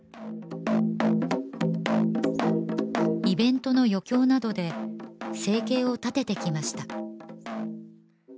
イベントの余興などで生計を立ててきました